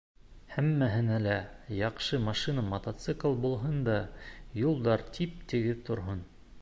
Һәммәһенә лә яҡшы машина-мотоцикл булһын да юлдар тип-тигеҙ торһон.